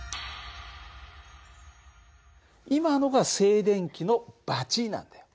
今のが静電気のバチッなんだよ。